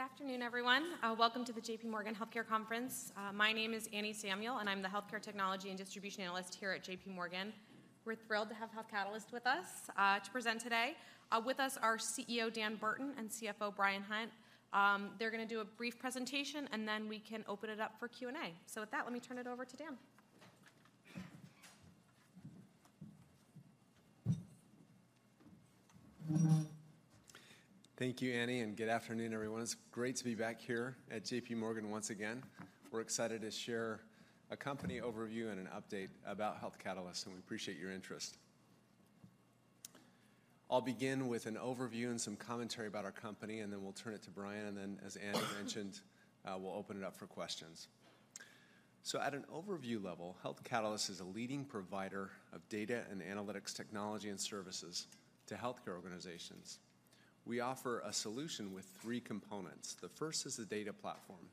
Good afternoon, everyone. Welcome to the J.P. Morgan Healthcare Conference. My name is Anne Samuel, and I'm the Healthcare Technology and Distribution Analyst here at J.P. Morgan. We're thrilled to have Health Catalyst with us, to present today. With us are CEO Dan Burton and CFO Bryan Hunt. They're gonna do a brief presentation, and then we can open it up for Q&A. So with that, let me turn it over to Dan. Thank you, Anne, and good afternoon, everyone. It's great to be back here at J.P. Morgan once again. We're excited to share a company overview and an update about Health Catalyst, and we appreciate your interest. I'll begin with an overview and some commentary about our company, and then we'll turn it to Bryan, and then as Anne mentioned, we'll open it up for questions. At an overview level, Health Catalyst is a leading provider of data and analytics technology and services to healthcare organizations. We offer a solution with three components. The first is a data platform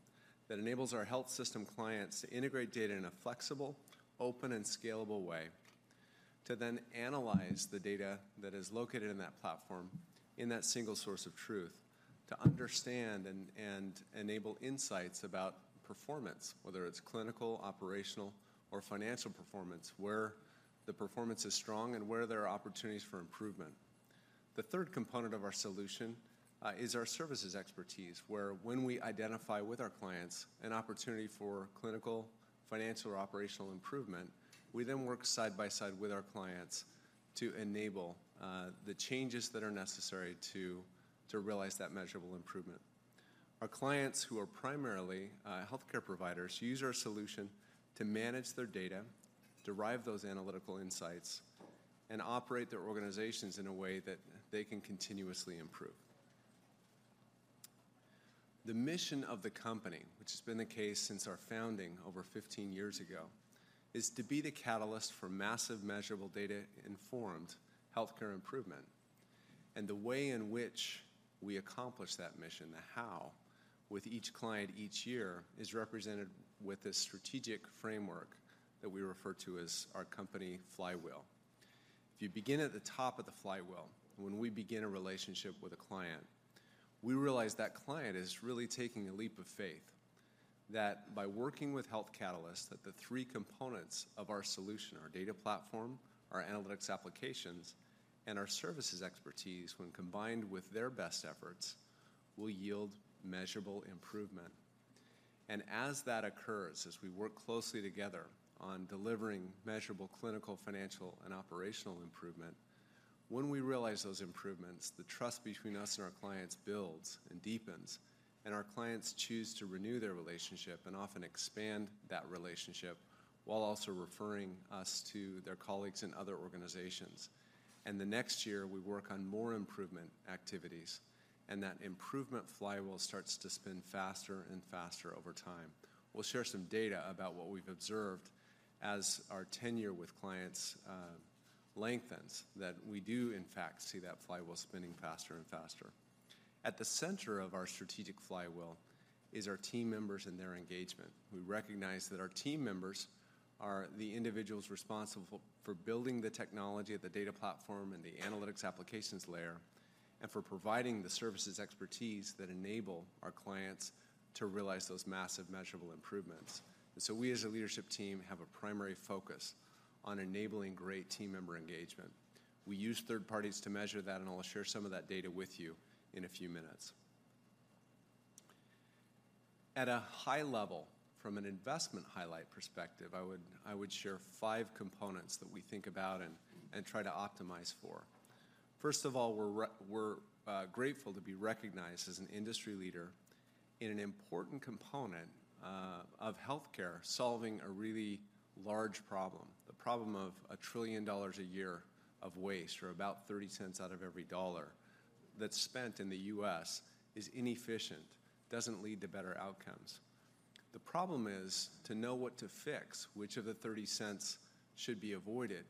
that enables our health system clients to integrate data in a flexible, open, and scalable way, to then analyze the data that is located in that platform, in that single source of truth, to understand and enable insights about performance, whether it's clinical, operational, or financial performance, where the performance is strong and where there are opportunities for improvement. The third component of our solution is our services expertise, where when we identify with our clients an opportunity for clinical, financial, or operational improvement, we then work side by side with our clients to enable the changes that are necessary to realize that measurable improvement. Our clients, who are primarily healthcare providers, use our solution to manage their data, derive those analytical insights, and operate their organizations in a way that they can continuously improve. The mission of the company, which has been the case since our founding over 15 years ago, is to be the catalyst for massive, measurable, data-informed healthcare improvement. The way in which we accomplish that mission, the how, with each client each year, is represented with this strategic framework that we refer to as our company flywheel. If you begin at the top of the flywheel, when we begin a relationship with a client, we realize that client is really taking a leap of faith. That by working with Health Catalyst, that the three components of our solution, our data platform, our analytics applications, and our services expertise, when combined with their best efforts, will yield measurable improvement. And as that occurs, as we work closely together on delivering measurable clinical, financial, and operational improvement, when we realize those improvements, the trust between us and our clients builds and deepens, and our clients choose to renew their relationship and often expand that relationship, while also referring us to their colleagues in other organizations. And the next year, we work on more improvement activities, and that improvement flywheel starts to spin faster and faster over time. We'll share some data about what we've observed as our tenure with clients lengthens, that we do in fact see that flywheel spinning faster and faster. At the center of our strategic flywheel is our team members and their engagement. We recognize that our team members are the individuals responsible for building the technology of the data platform and the analytics applications layer, and for providing the services expertise that enable our clients to realize those massive, measurable improvements. And so we as a leadership team have a primary focus on enabling great team member engagement. We use third parties to measure that, and I'll share some of that data with you in a few minutes. At a high level, from an investment highlight perspective, I would, I would share five components that we think about and, and try to optimize for. First of all, we're grateful to be recognized as an industry leader in an important component of healthcare, solving a really large problem, the problem of $1 trillion a year of waste, or about $0.30 out of every $1 that's spent in the U.S., is inefficient, doesn't lead to better outcomes. The problem is, to know what to fix, which of the $0.30 should be avoided,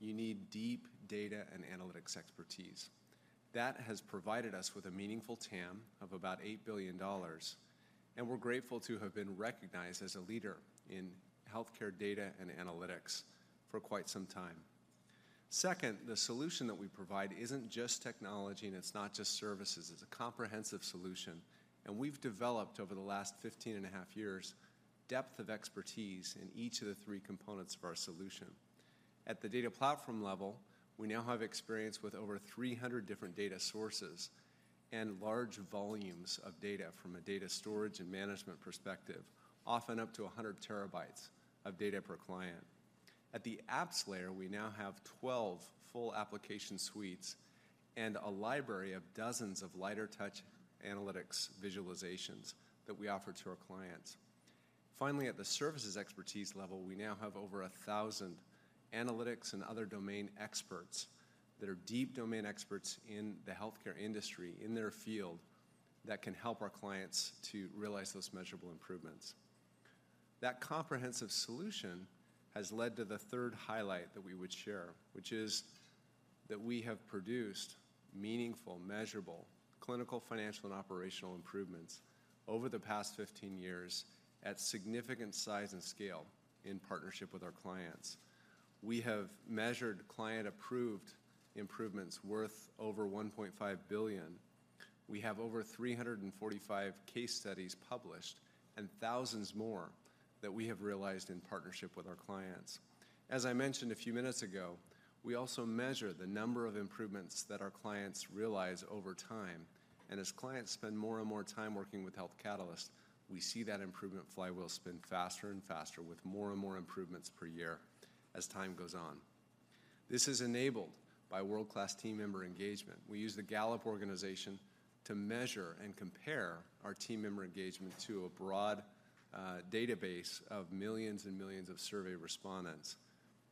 you need deep data and analytics expertise. That has provided us with a meaningful TAM of about $8 billion, and we're grateful to have been recognized as a leader in healthcare data and analytics for quite some time. Second, the solution that we provide isn't just technology, and it's not just services. It's a comprehensive solution, and we've developed, over the last 15.5 years, depth of expertise in each of the three components of our solution. At the data platform level, we now have experience with over 300 different data sources and large volumes of data from a data storage and management perspective, often up to 100 TB of data per client. At the apps layer, we now have 12 full application suites and a library of dozens of lighter touch analytics visualizations that we offer to our clients. Finally, at the services expertise level, we now have over 1,000 analytics and other domain experts that are deep domain experts in the healthcare industry, in their field, that can help our clients to realize those measurable improvements. That comprehensive solution has led to the third highlight that we would share, which is that we have produced meaningful, measurable, clinical, financial, and operational improvements over the past 15 years at significant size and scale in partnership with our clients. We have measured client-approved improvements worth over $1.5 billion. We have over 345 case studies published and thousands more that we have realized in partnership with our clients. As I mentioned a few minutes ago, we also measure the number of improvements that our clients realize over time, and as clients spend more and more time working with Health Catalyst, we see that improvement flywheel spin faster and faster, with more and more improvements per year as time goes on. This is enabled by world-class team member engagement. We use the Gallup Organization to measure and compare our team member engagement to a broad database of millions and millions of survey respondents.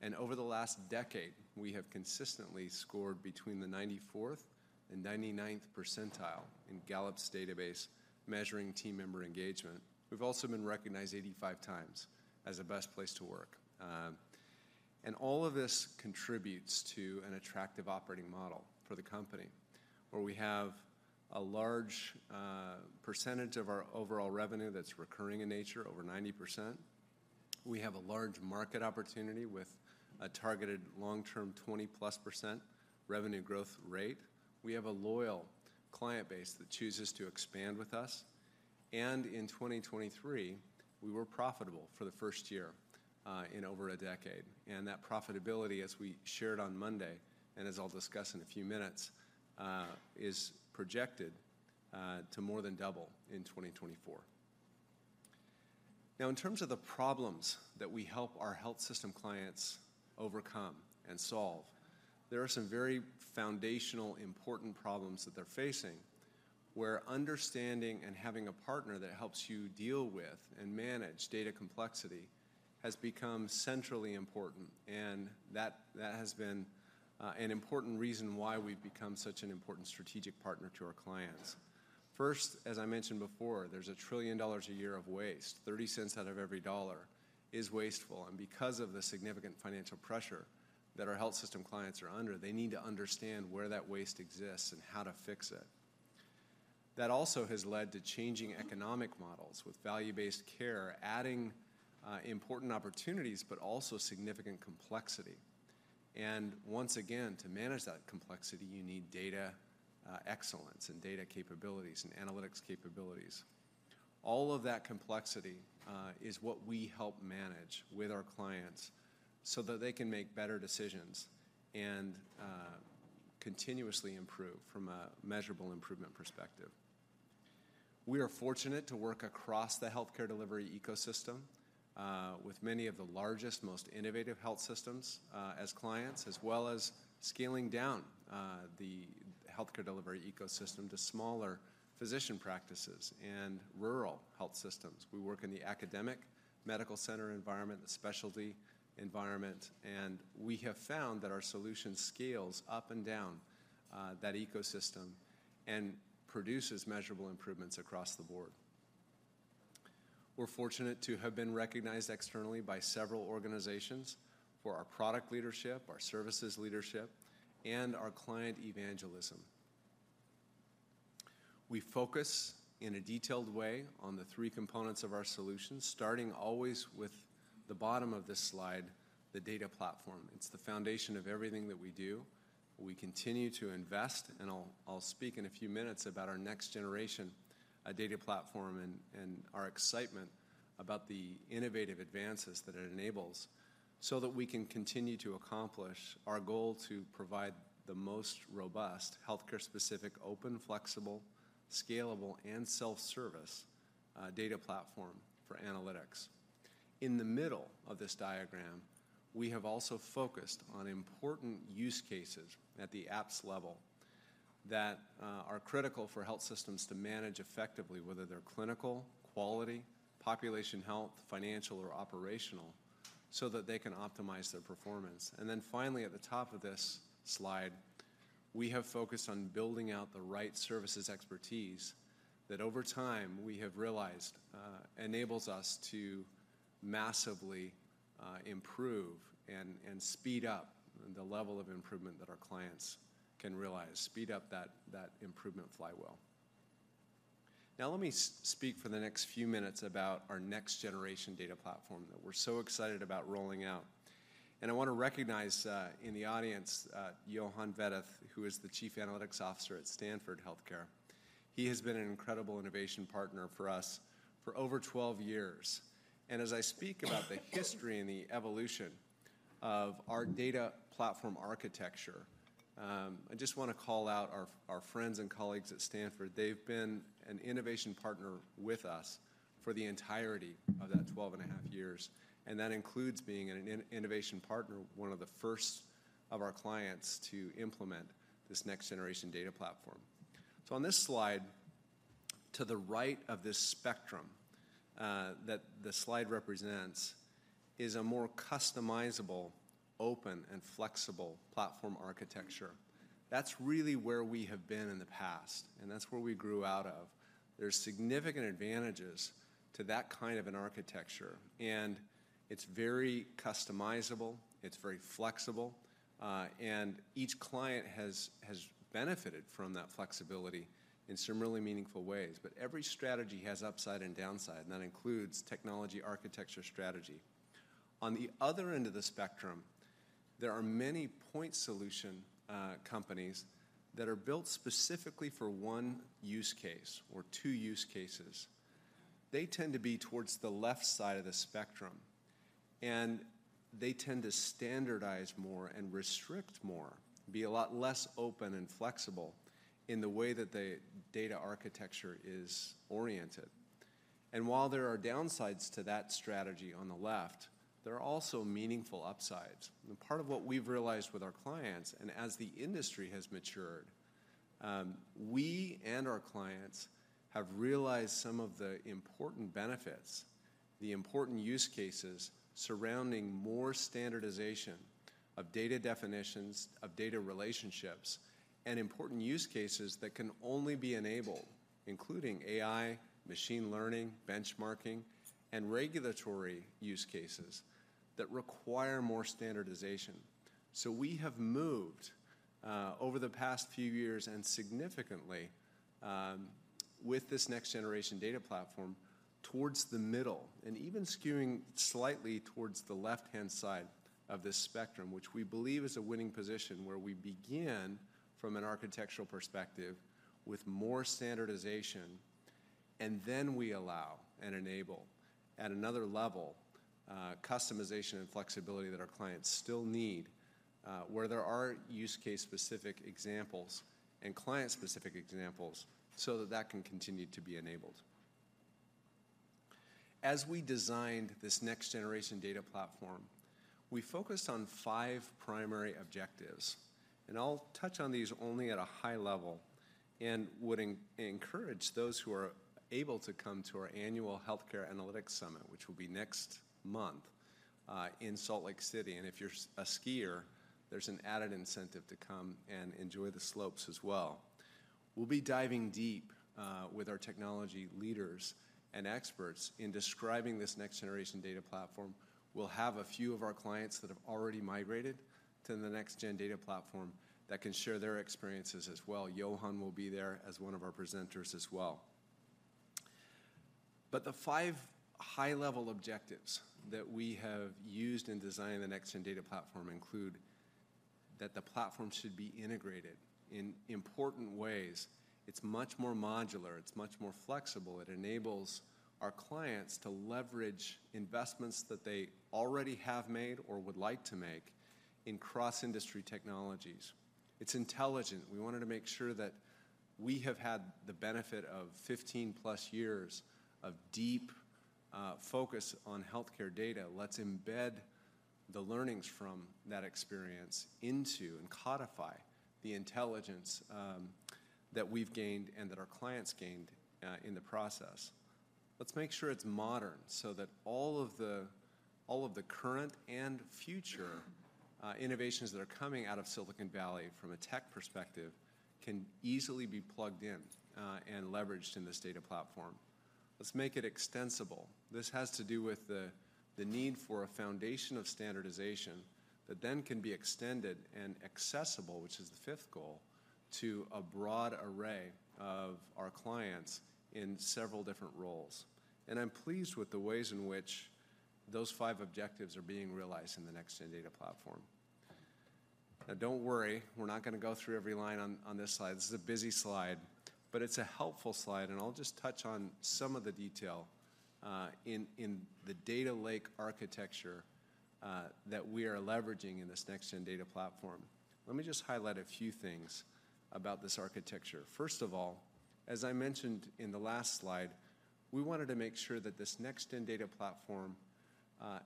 And over the last decade, we have consistently scored between the 94th and 99th percentile in Gallup's database, measuring team member engagement. We've also been recognized 85x as a best place to work. And all of this contributes to an attractive operating model for the company, where we have a large percentage of our overall revenue that's recurring in nature, over 90%. We have a large market opportunity with a targeted long-term 20+% revenue growth rate. We have a loyal client base that chooses to expand with us, and in 2023, we were profitable for the first year in over a decade. That profitability, as we shared on Monday, and as I'll discuss in a few minutes, is projected to more than double in 2024. Now, in terms of the problems that we help our health system clients overcome and solve, there are some very foundational, important problems that they're facing, where understanding and having a partner that helps you deal with and manage data complexity has become centrally important, and that has been an important reason why we've become such an important strategic partner to our clients. First, as I mentioned before, there's $1 trillion a year of waste. $0.30 out of every $1 is wasteful, and because of the significant financial pressure that our health system clients are under, they need to understand where that waste exists and how to fix it. That also has led to changing economic models, with value-based care adding important opportunities, but also significant complexity. Once again, to manage that complexity, you need data excellence and data capabilities and analytics capabilities. All of that complexity is what we help manage with our clients so that they can make better decisions and continuously improve from a measurable improvement perspective. We are fortunate to work across the healthcare delivery ecosystem with many of the largest, most innovative health systems as clients, as well as scaling down the healthcare delivery ecosystem to smaller physician practices and rural health systems. We work in the academic medical center environment, the specialty environment, and we have found that our solution scales up and down that ecosystem and produces measurable improvements across the board. We're fortunate to have been recognized externally by several organizations for our product leadership, our services leadership, and our client evangelism. We focus in a detailed way on the three components of our solutions, starting always with the bottom of this slide, the data platform. It's the foundation of everything that we do. We continue to invest, and I'll speak in a few minutes about our next-generation data platform and our excitement about the innovative advances that it enables, so that we can continue to accomplish our goal to provide the most robust healthcare-specific, open, flexible, scalable, and self-service data platform for analytics. In the middle of this diagram, we have also focused on important use cases at the apps level that are critical for health systems to manage effectively, whether they're clinical, quality, population health, financial, or operational, so that they can optimize their performance. Then finally, at the top of this slide, we have focused on building out the right services expertise that over time, we have realized enables us to massively improve and speed up the level of improvement that our clients can realize, speed up that, that improvement flywheel. Now, let me speak for the next few minutes about our next-generation data platform that we're so excited about rolling out. I want to recognize in the audience Yohan Vetteth, who is the Chief Analytics Officer at Stanford Health Care. He has been an incredible innovation partner for us for over 12 years. As I speak about the history and the evolution of our data platform architecture, I just want to call out our friends and colleagues at Stanford. They've been an innovation partner with us for the entirety of that 12.5 years, and that includes being an innovation partner, one of the first of our clients to implement this next-generation data platform. On this slide, to the right of this spectrum that the slide represents, is a more customizable, open, and flexible platform architecture. That's really where we have been in the past, and that's where we grew out of. There's significant advantages to that kind of an architecture, and it's very customizable, it's very flexible. And each client has benefited from that flexibility in some really meaningful ways. But every strategy has upside and downside, and that includes technology architecture strategy. On the other end of the spectrum, there are many point solution companies that are built specifically for one use case or two use cases. They tend to be towards the left side of the spectrum, and they tend to standardize more and restrict more, be a lot less open and flexible in the way that the data architecture is oriented. And while there are downsides to that strategy on the left, there are also meaningful upsides. Part of what we've realized with our clients, and as the industry has matured, we and our clients have realized some of the important benefits, the important use cases surrounding more standardization of data definitions, of data relationships, and important use cases that can only be enabled, including AI, machine learning, benchmarking, and regulatory use cases that require more standardization. So we have moved, over the past few years, and significantly, with this next-generation data platform, towards the middle, and even skewing slightly towards the left-hand side of this spectrum, which we believe is a winning position where we begin from an architectural perspective with more standardization, and then we allow and enable, at another level, customization and flexibility that our clients still need, where there are use case-specific examples and client-specific examples so that that can continue to be enabled. As we designed this next-generation data platform, we focused on five primary objectives, and I'll touch on these only at a high level and would encourage those who are able to come to our Annual Healthcare Analytics Summit, which will be next month, in Salt Lake City. And if you're a skier, there's an added incentive to come and enjoy the slopes as well. We'll be diving deep with our technology leaders and experts in describing this next-generation data platform. We'll have a few of our clients that have already migrated to the next-gen data platform that can share their experiences as well. Yohan will be there as one of our presenters as well. But the five high-level objectives that we have used in designing the next gen data platform include that the platform should be integrated in important ways. It's much more modular. It's much more flexible. It enables our clients to leverage investments that they already have made or would like to make in cross-industry technologies. It's intelligent. We wanted to make sure that we have had the benefit of 15+ years of deep focus on healthcare data. Let's embed the learnings from that experience into and codify the intelligence that we've gained and that our clients gained in the process. Let's make sure it's modern, so that all of the, all of the current and future innovations that are coming out of Silicon Valley from a tech perspective can easily be plugged in and leveraged in this data platform. Let's make it extensible. This has to do with the need for a foundation of standardization that then can be extended and accessible, which is the fifth goal, to a broad array of our clients in several different roles. I'm pleased with the ways in which those five objectives are being realized in the next-gen data platform. Now, don't worry, we're not going to go through every line on this slide. This is a busy slide, but it's a helpful slide, and I'll just touch on some of the detail in the data lake architecture that we are leveraging in this next-gen data platform. Let me just highlight a few things about this architecture. First of all, as I mentioned in the last slide, we wanted to make sure that this next-gen data platform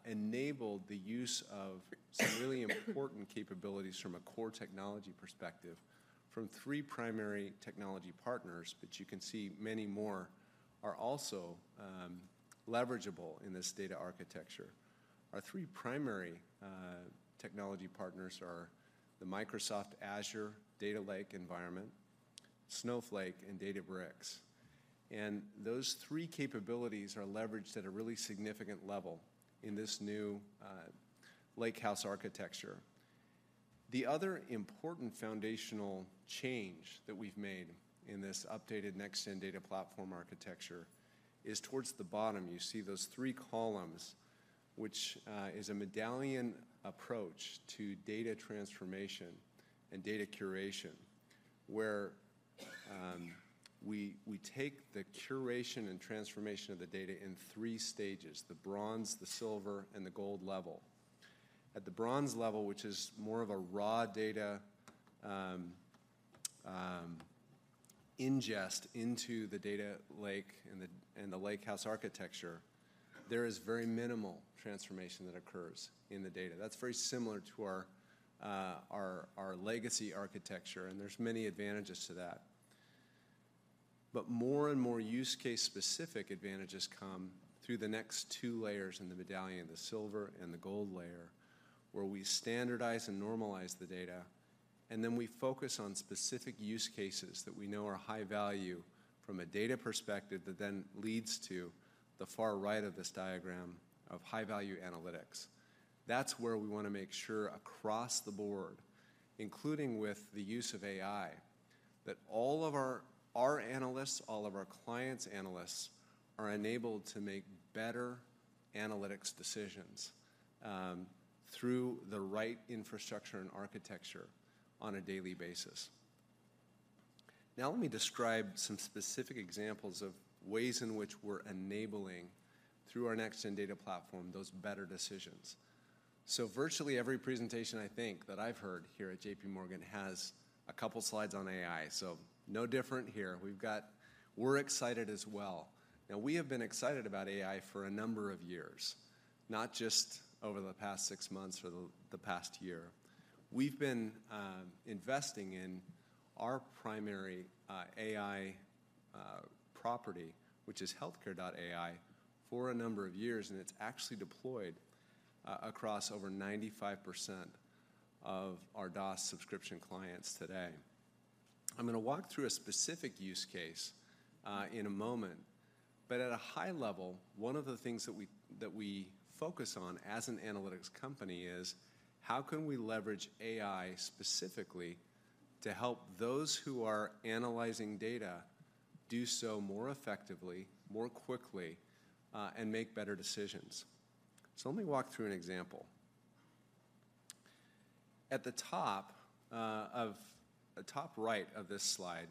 enabled the use of some really important capabilities from a core technology perspective from three primary technology partners, but you can see many more are also leverageable in this data architecture. Our three primary technology partners are the Microsoft Azure Data Lake Environment, Snowflake, and Databricks. And those three capabilities are leveraged at a really significant level in this new Lakehouse architecture. The other important foundational change that we've made in this updated next-gen data platform architecture is towards the bottom, you see those three columns, which is a medallion approach to data transformation and data curation, where we, we take the curation and transformation of the data in three stages: the bronze, the silver, and the gold level. At the bronze level, which is more of a raw data ingest into the data lake, in the Lakehouse architecture, there is very minimal transformation that occurs in the data. That's very similar to our legacy architecture, and there's many advantages to that. But more and more use case-specific advantages come through the next two layers in the Medallion, the silver and the gold layer, where we standardize and normalize the data, and then we focus on specific use cases that we know are high value from a data perspective that then leads to the far right of this diagram of high-value analytics. That's where we want to make sure across the board, including with the use of AI, that all of our, our analysts, all of our clients' analysts, are enabled to make better analytics decisions, through the right infrastructure and architecture on a daily basis. Now, let me describe some specific examples of ways in which we're enabling, through our next-gen data platform, those better decisions. So virtually every presentation I think that I've heard here at J.P. Morgan has a couple slides on AI, so no different here. We're excited as well. Now, we have been excited about AI for a number of years, not just over the past six months or the, the past year. We've been investing in our primary AI property, which is Healthcare.AI, for a number of years, and it's actually deployed across over 95% of our DaaS subscription clients today. I'm gonna walk through a specific use case in a moment, but at a high level, one of the things that we focus on as an analytics company is: how can we leverage AI specifically to help those who are analyzing data do so more effectively, more quickly, and make better decisions? So let me walk through an example. At the top of the top right of this slide,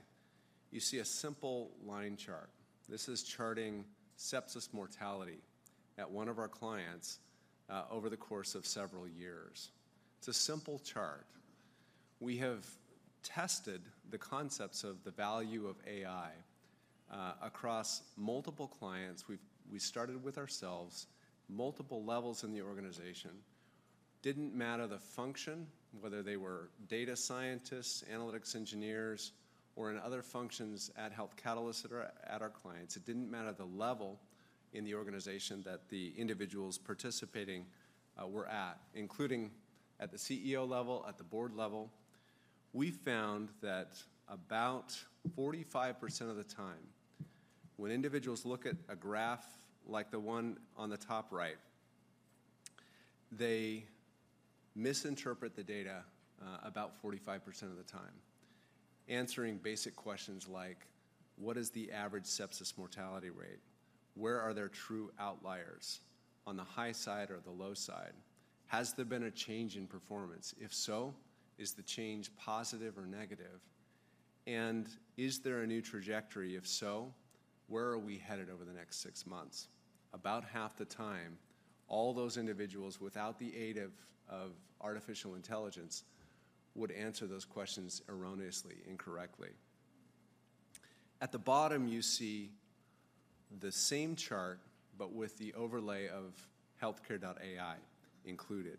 you see a simple line chart. This is charting sepsis mortality at one of our clients over the course of several years. It's a simple chart. We have tested the concepts of the value of AI across multiple clients. We started with ourselves, multiple levels in the organization. Didn't matter the function, whether they were data scientists, analytics engineers, or in other functions at Health Catalyst or at our clients. It didn't matter the level in the organization that the individuals participating were at, including at the CEO level, at the board level. We found that about 45% of the time, when individuals look at a graph like the one on the top right, they misinterpret the data, about 45% of the time, answering basic questions like: What is the average sepsis mortality rate? Where are there true outliers, on the high side or the low side? Has there been a change in performance? If so, is the change positive or negative? And is there a new trajectory? If so, where are we headed over the next six months? About half the time, all those individuals, without the aid of artificial intelligence, would answer those questions erroneously, incorrectly. At the bottom, you see the same chart, but with the overlay of Healthcare.AI included.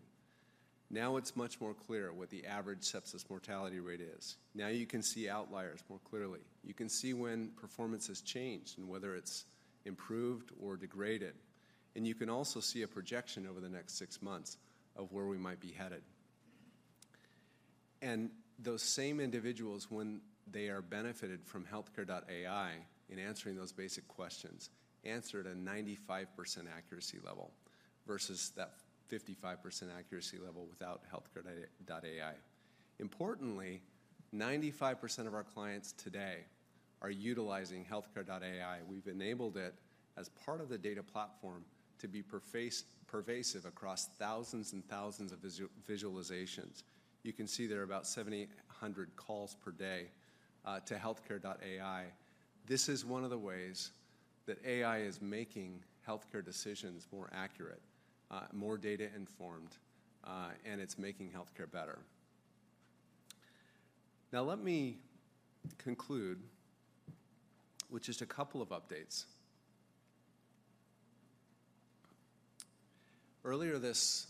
Now it's much more clear what the average sepsis mortality rate is. Now you can see outliers more clearly. You can see when performance has changed and whether it's improved or degraded, and you can also see a projection over the next six months of where we might be headed. And those same individuals, when they are benefited from Healthcare.Ai in answering those basic questions, answer at a 95% accuracy level versus that 55% accuracy level without Healthcare.AI. Importantly, 95% of our clients today are utilizing Healthcare.AI. We've enabled it as part of the data platform to be pervasive across thousands and thousands of visualizations. You can see there are about 7,800 calls per day to Healthcare.AI. This is one of the ways that AI is making healthcare decisions more accurate, more data-informed, and it's making healthcare better. Now, let me conclude with just a couple of updates. Earlier this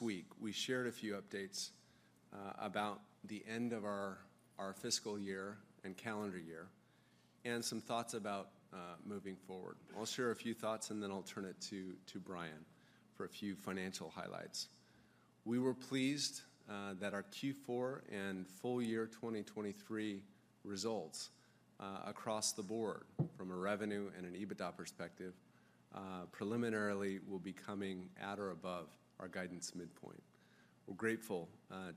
week, we shared a few updates about the end of our fiscal year and calendar year, and some thoughts about moving forward. I'll share a few thoughts, and then I'll turn it to Bryan for a few financial highlights. We were pleased that our Q4 and full year 2023 results across the board from a revenue and an EBITDA perspective preliminarily will be coming at or above our guidance midpoint. We're grateful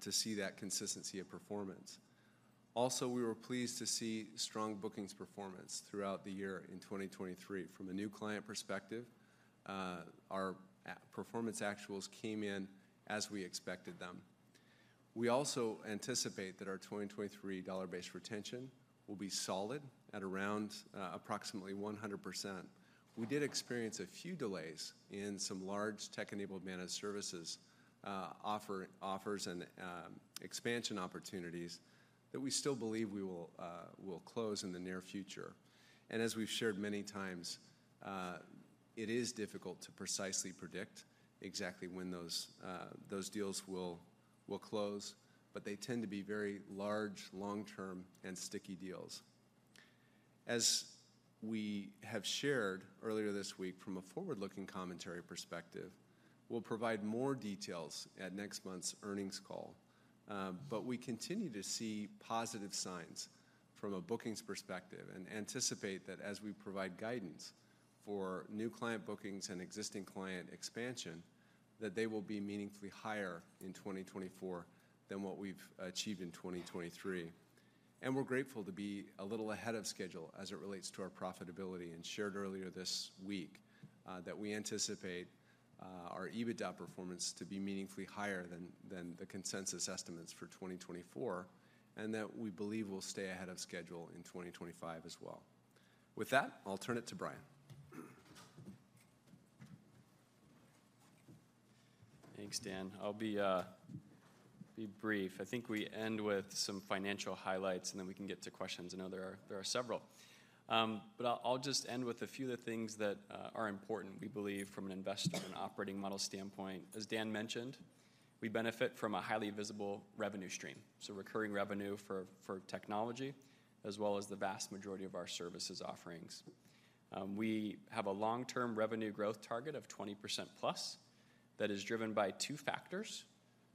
to see that consistency of performance. Also, we were pleased to see strong bookings performance throughout the year in 2023. From a new client perspective, our performance actuals came in as we expected them. We also anticipate that our 2023 Dollar-Based Retention will be solid at around approximately 100%. We did experience a few delays in some large Tech-Enabled Managed Services offers and expansion opportunities that we still believe we will close in the near future. And as we've shared many times, it is difficult to precisely predict exactly when those deals will close, but they tend to be very large, long-term, and sticky deals. As we have shared earlier this week from a forward-looking commentary perspective, we'll provide more details at next month's earnings call. But we continue to see positive signs from a bookings perspective, and anticipate that as we provide guidance for new client bookings and existing client expansion, that they will be meaningfully higher in 2024 than what we've achieved in 2023. And we're grateful to be a little ahead of schedule as it relates to our profitability, and shared earlier this week, that we anticipate, our EBITDA performance to be meaningfully higher than the consensus estimates for 2024, and that we believe we'll stay ahead of schedule in 2025 as well. With that, I'll turn it to Bryan. Thanks, Dan. I'll be brief. I think we end with some financial highlights, and then we can get to questions. I know there are several. But I'll just end with a few of the things that are important, we believe, from an investor and operating model standpoint. As Dan mentioned, we benefit from a highly visible revenue stream, so recurring revenue for technology, as well as the vast majority of our services offerings. We have a long-term revenue growth target of 20% plus that is driven by two factors.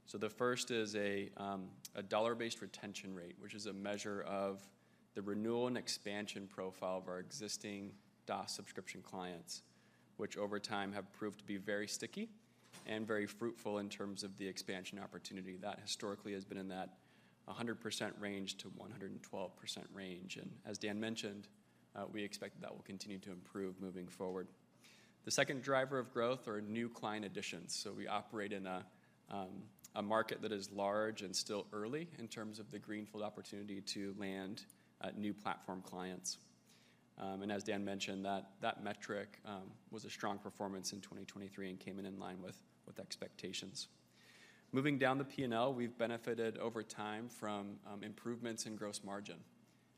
So the first is a Dollar-Based Retention rate, which is a measure of the renewal and expansion profile of our existing DaaS subscription clients, which over time have proved to be very sticky and very fruitful in terms of the expansion opportunity. That historically has been in that 100%-112% range, and as Dan mentioned, we expect that will continue to improve moving forward. The second driver of growth are new client additions. So we operate in a market that is large and still early in terms of the greenfield opportunity to land new platform clients. And as Dan mentioned, that metric was a strong performance in 2023 and came in in line with expectations. Moving down the P&L, we've benefited over time from improvements in gross margin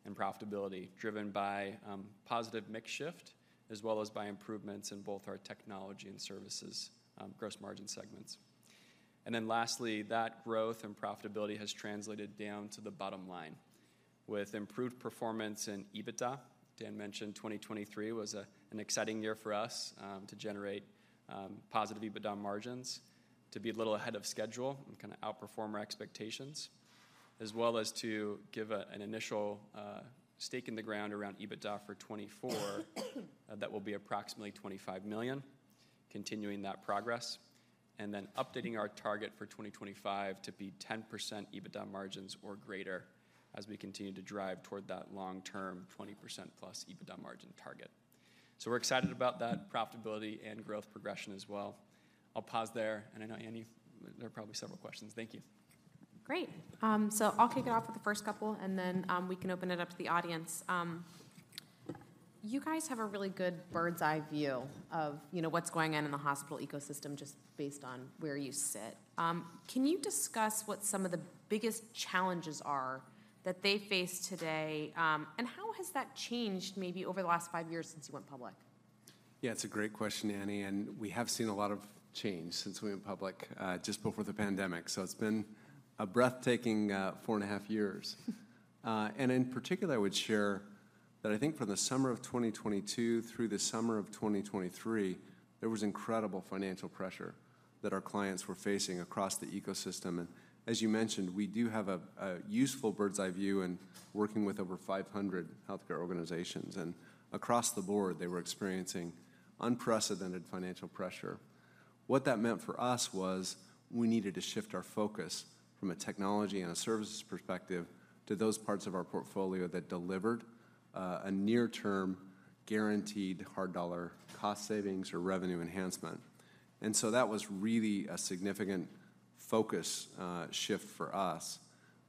and profitability, driven by positive mix shift, as well as by improvements in both our technology and services gross margin segments. And then lastly, that growth and profitability has translated down to the bottom line with improved performance in EBITDA. Dan mentioned 2023 was an exciting year for us to generate positive EBITDA margins, to be a little ahead of schedule and kind of outperform our expectations, as well as to give an initial stake in the ground around EBITDA for 2024, that will be approximately $25 million, continuing that progress, and then updating our target for 2025 to be 10% EBITDA margins or greater as we continue to drive toward that long-term 20%+ EBITDA margin target. So we're excited about that profitability and growth progression as well. I'll pause there, and I know, Anne, there are probably several questions. Thank you. Great. So I'll kick it off with the first couple, and then, we can open it up to the audience. You guys have a really good bird's-eye view of, you know, what's going on in the hospital ecosystem just based on where you sit. Can you discuss what some of the biggest challenges are that they face today, and how has that changed maybe over the last five years since you went public? Yeah, it's a great question, Anne, and we have seen a lot of change since we went public just before the pandemic, so it's been a breathtaking 4.5 years. And in particular, I would share that I think from the summer of 2022 through the summer of 2023, there was incredible financial pressure that our clients were facing across the ecosystem. And as you mentioned, we do have a, a useful bird's-eye view in working with over 500 healthcare organizations, and across the board, they were experiencing unprecedented financial pressure. What that meant for us was we needed to shift our focus from a technology and a services perspective to those parts of our portfolio that delivered a near-term, guaranteed hard dollar cost savings or revenue enhancement. And so that was really a significant focus shift for us.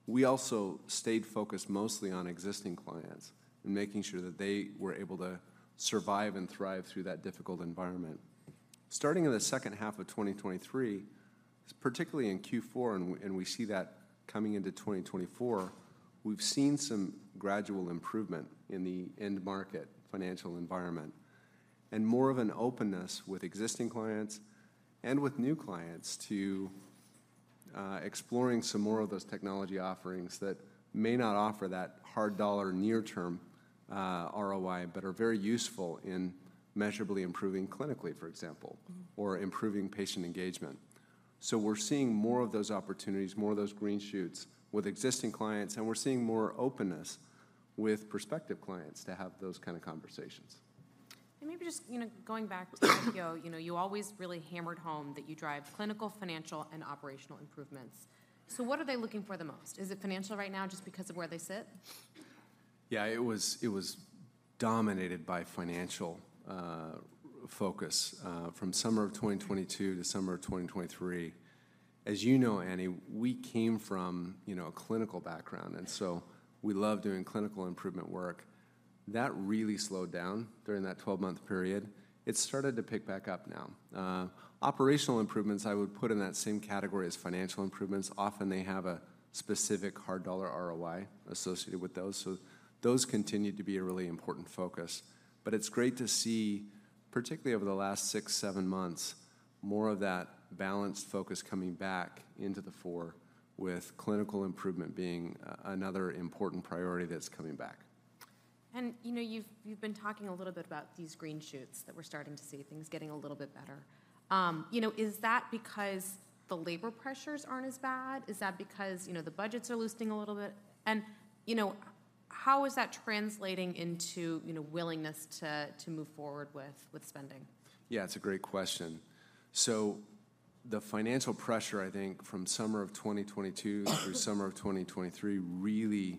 We also stayed focused mostly on existing clients and making sure that they were able to survive and thrive through that difficult environment. Starting in the second half of 2023, particularly in Q4, and we see that coming into 2024, we've seen some gradual improvement in the end market financial environment, and more of an openness with existing clients and with new clients to exploring some more of those technology offerings that may not offer that hard dollar near term ROI, but are very useful in measurably improving clinically, for example or improving patient engagement. So we're seeing more of those opportunities, more of those green shoots with existing clients, and we're seeing more openness with prospective clients to have those kind of conversations. And maybe just, you know, going back to the IPO, you know, you always really hammered home that you drive clinical, financial, and operational improvements. So what are they looking for the most? Is it financial right now just because of where they sit? Yeah, it was dominated by financial focus from summer of 2022 to summer of 2023. As you know, Anne, we came from, you know, a clinical background, and so we love doing clinical improvement work. That really slowed down during that 12-month period. It's started to pick back up now. Operational improvements I would put in that same category as financial improvements. Often, they have a specific hard dollar ROI associated with those, so those continue to be a really important focus. But it's great to see, particularly over the last six, seven months, more of that balanced focus coming back into the fore with clinical improvement being another important priority that's coming back. You know, you've been talking a little bit about these green shoots that we're starting to see, things getting a little bit better. You know, is that because the labor pressures aren't as bad? Is that because, you know, the budgets are loosening a little bit? You know, how is that translating into, you know, willingness to move forward with spending? Yeah, it's a great question. So the financial pressure, I think, from summer of 2022 through summer of 2023, really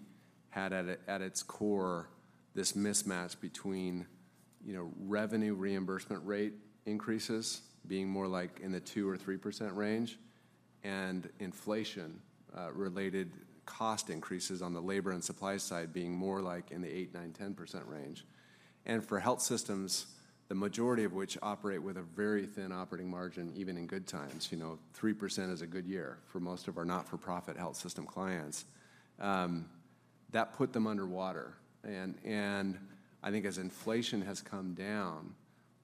had at it, at its core, this mismatch between, you know, revenue reimbursement rate increases being more like in the 2%-3% range, and inflation related cost increases on the labor and supply side being more like in the 8%-10% range. And for health systems, the majority of which operate with a very thin operating margin, even in good times, you know, 3% is a good year for most of our not-for-profit health system clients. That put them underwater. And I think as inflation has come down,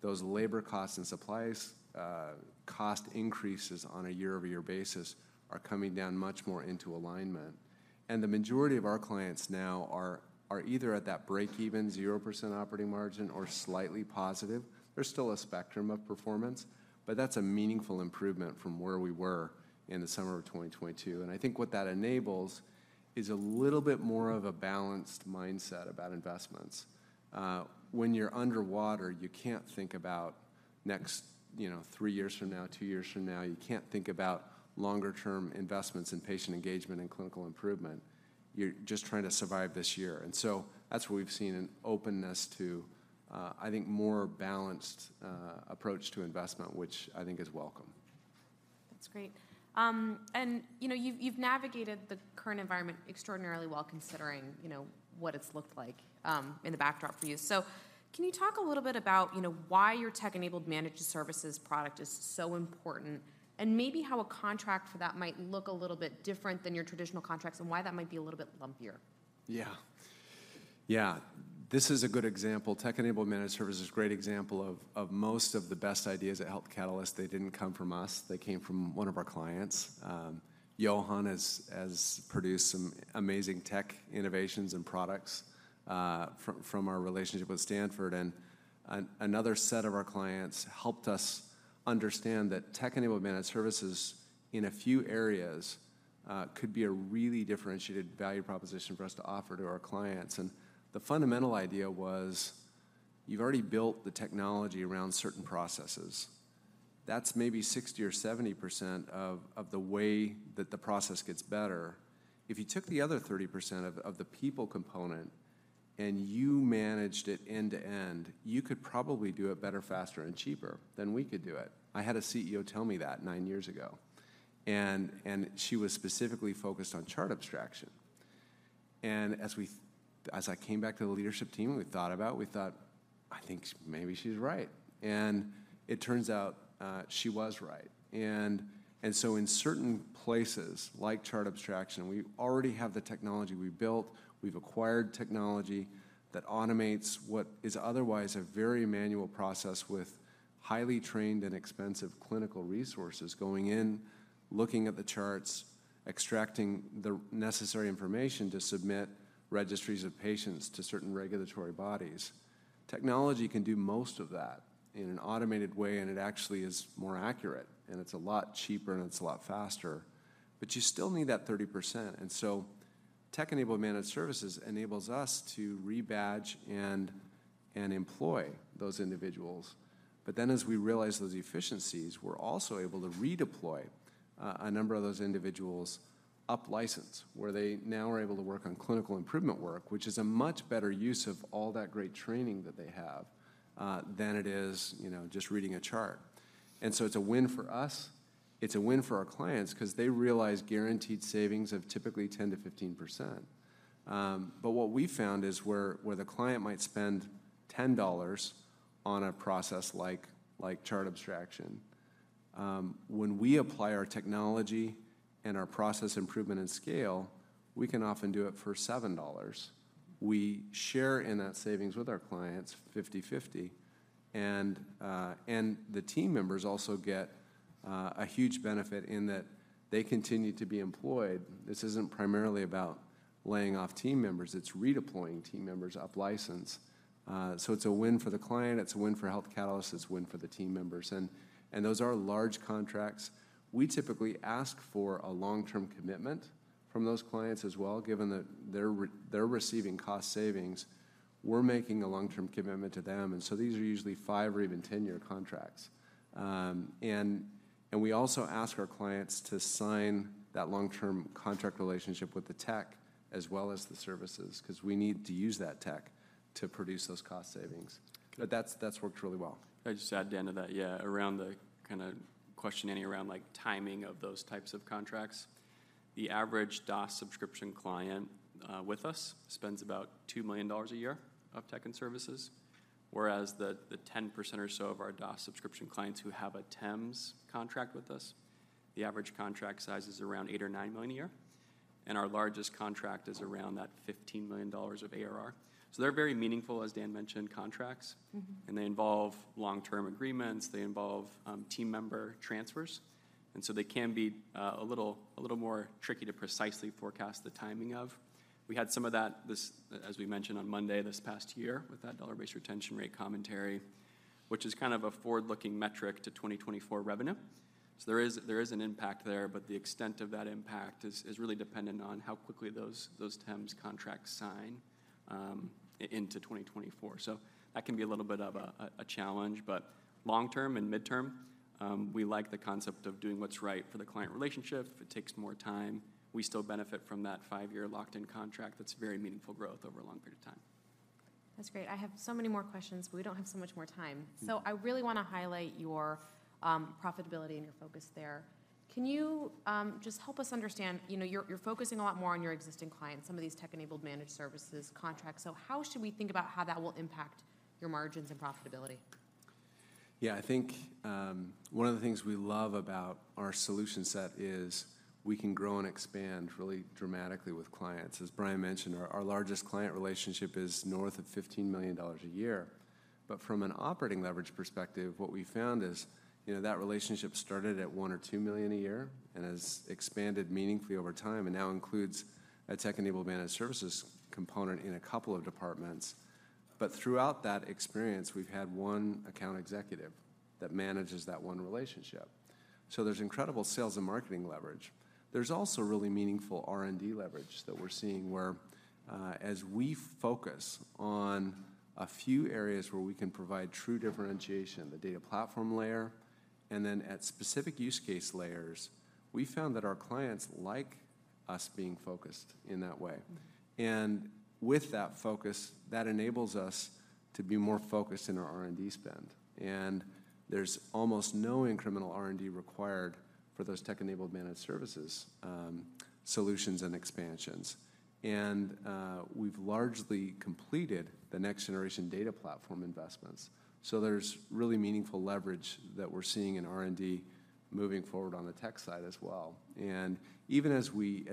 those labor costs and supplies cost increases on a year-over-year basis are coming down much more into alignment. And the majority of our clients now are either at that break-even 0% operating margin or slightly positive. There's still a spectrum of performance, but that's a meaningful improvement from where we were in the summer of 2022. And I think what that enables is a little bit more of a balanced mindset about investments. When you're underwater, you can't think about next, you know, three years from now, two years from now. You can't think about longer-term investments in patient engagement and clinical improvement. You're just trying to survive this year. And so that's what we've seen, an openness to, I think, more balanced approach to investment, which I think is welcome. That's great. And, you know, you've, you've navigated the current environment extraordinarily well, considering, you know, what it's looked like, in the backdrop for you. So can you talk a little bit about, you know, why your Tech-Enabled Managed Services product is so important, and maybe how a contract for that might look a little bit different than your traditional contracts, and why that might be a little bit lumpier? Yeah. Yeah, this is a good example. Tech-Enabled Managed Service is a great example of most of the best ideas at Health Catalyst. They didn't come from us; they came from one of our clients. Yohan has produced some amazing tech innovations and products from our relationship with Stanford. And another set of our clients helped us understand that Tech-Enabled Managed Services in a few areas could be a really differentiated value proposition for us to offer to our clients. And the fundamental idea was, you've already built the technology around certain processes. That's maybe 60% or 70% of the way that the process gets better. If you took the other 30% of the people component and you managed it end to end, you could probably do it better, faster, and cheaper than we could do it. I had a CEO tell me that nine years ago, and she was specifically focused on chart abstraction. As I came back to the leadership team, and we thought about it, we thought, "I think maybe she's right." And it turns out, she was right. And so in certain places, like chart abstraction, we already have the technology we've built. We've acquired technology that automates what is otherwise a very manual process with highly trained and expensive clinical resources going in, looking at the charts, extracting the necessary information to submit registries of patients to certain regulatory bodies. Technology can do most of that in an automated way, and it actually is more accurate, and it's a lot cheaper, and it's a lot faster. But you still need that 30%, and so Tech-Enabled Managed Services enables us to rebadge and employ those individuals. But then, as we realize those efficiencies, we're also able to redeploy a number of those individuals upskill, where they now are able to work on clinical improvement work, which is a much better use of all that great training that they have than it is, you know, just reading a chart. And so it's a win for us. It's a win for our clients 'cause they realize guaranteed savings of typically 10%-15%. But what we found is where the client might spend $10 on a process like chart abstraction, when we apply our technology and our process improvement and scale, we can often do it for $7. We share in that savings with our clients, 50/50, and the team members also get a huge benefit in that they continue to be employed. This isn't primarily about laying off team members. It's redeploying team members up license. So it's a win for the client, it's a win for Health Catalyst, it's a win for the team members. And those are large contracts. We typically ask for a long-term commitment from those clients as well, given that they're receiving cost savings. We're making a long-term commitment to them, and so these are usually 5- or even 10-year contracts. And we also ask our clients to sign that long-term contract relationship with the tech as well as the services 'cause we need to use that tech to produce those cost savings. But that's worked really well. I'd just add to the end of that around questioning around, like, timing of those types of contracts. The average DaaS subscription client with us spends about $2 million a year of tech and services, whereas the 10% or so of our DaaS subscription clients who have a TEMS contract with us, the average contract size is around $8 million-$9 million a year, and our largest contract is around that $15 million of ARR. So they're very meaningful, as Dan mentioned, contracts. Mm-hmm. And they involve long-term agreements, they involve, team member transfers, and so they can be, a little, a little more tricky to precisely forecast the timing of. We had some of that this, as we mentioned, on Monday this past year, with that Dollar-Based Retention rate commentary, which is kind of a forward-looking metric to 2024 revenue. So there is, there is an impact there, but the extent of that impact is, is really dependent on how quickly those, those TEMS contracts sign, into 2024. So that can be a little bit of a, a, a challenge. But long term and midterm, we like the concept of doing what's right for the client relationship. If it takes more time, we still benefit from that five-year locked-in contract. That's very meaningful growth over a long period of time. That's great. I have so many more questions, but we don't have so much more time. So I really wanna highlight your profitability and your focus there. Can you just help us understand, you know, you're focusing a lot more on your existing clients, some of these Tech-Enabled Managed Services contracts. So how should we think about how that will impact your margins and profitability? Yeah, I think, one of the things we love about our solution set is we can grow and expand really dramatically with clients. As Bryan mentioned, our, our largest client relationship is north of $15 million a year. But from an operating leverage perspective, what we found is, you know, that relationship started at $1-$2 million a year, and has expanded meaningfully over time, and now includes a Tech-Enabled Managed Services component in a couple of departments. But throughout that experience, we've had one account executive that manages that one relationship. So there's incredible sales and marketing leverage. There's also really meaningful R&D leverage that we're seeing, where, as we focus on a few areas where we can provide true differentiation, the data platform layer, and then at specific use case layers, we found that our clients like us being focused in that way. And with that focus, that enables us to be more focused in our R&D spend. And there's almost no incremental R&D required for those Tech-Enabled Managed Services, Solutions and Expansions. And, we've largely completed the next-generation data platform investments, so there's really meaningful leverage that we're seeing in R&D moving forward on the tech side as well. And even as we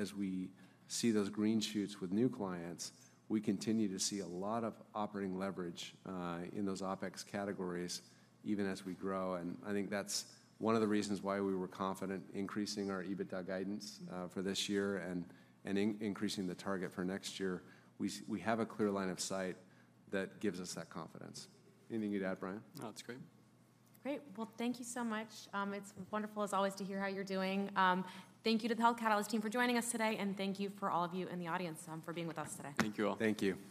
see those green shoots with new clients, we continue to see a lot of operating leverage in those OpEx categories, even as we grow, and I think that's one of the reasons why we were confident increasing our EBITDA guidance for this year, and increasing the target for next year. We have a clear line of sight that gives us that confidence. Anything you'd add, Bryan? No, that's great. Great. Well, thank you so much. It's wonderful, as always, to hear how you're doing. Thank you to the Health Catalyst team for joining us today, and thank you for all of you in the audience, for being with us today. Thank you all. Thank you.